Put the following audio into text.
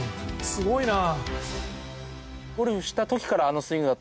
すごいな。